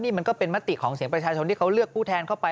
นี่มันก็เป็นมติของเสียงประชาชนที่เขาเลือกผู้แทนเข้าไป